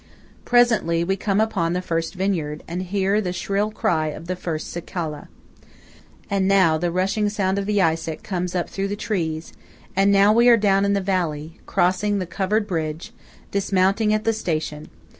Presently we come upon the first vineyard, and hear the shrill cry of the first cicala. And now the rushing sound of the Eisack comes up through the trees; and now we are down in the valley–crossing the covered bridge–dismounting at the station.